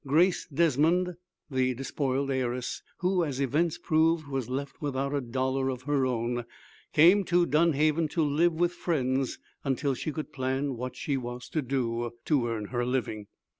Grace Desmond, the despoiled heiress, who, as events proved, was left without a dollar of her own, came to Dunhaven to live with friends until she could plan what she was to do to earn her living.